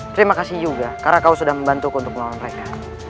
terima kasih juga karena kau sudah membantuku untuk melawan mereka